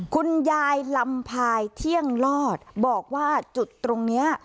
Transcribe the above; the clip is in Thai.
คุณยายลำพายเที่ยงลอดบอกว่าจุดตรงนี้